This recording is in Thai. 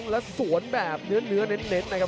แล้วสวนแบบเนื้อเน้นนะครับ